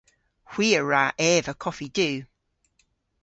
Hwi a wra eva koffi du.